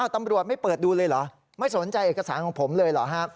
ตำรวจไม่เปิดดูเลยเหรอไม่สนใจเอกสารของผมเลยเหรอฮะ